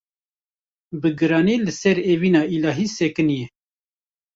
bi giranî li ser evîna îlahî sekinîye.